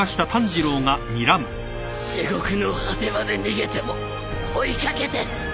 地獄の果てまで逃げても追い掛けて。